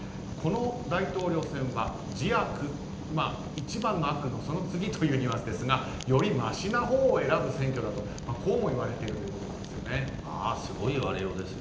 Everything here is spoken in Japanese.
この大統領選は次悪、一番の悪のその次というニュアンスですがよりましなほうを選ぶ選挙だとこうも言われているということです。